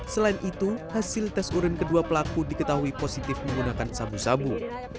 selain itu hasil tes urin kedua pelaku diketahui positif menggunakan sabu sabu